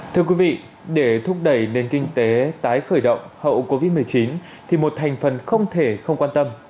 thưa quý vị để thúc đẩy nền kinh tế tái khởi động hậu covid một mươi chín thì một thành phần không thể không quan tâm